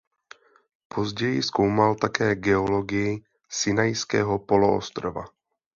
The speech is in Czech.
Později zkoumal také geologii Sinajského poloostrova.